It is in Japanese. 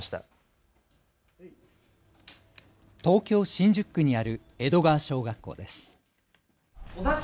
新宿区にある江戸川小学校です。